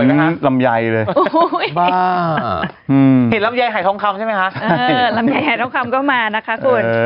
เออลำไยหายท้องคำก็มานะคะคุณ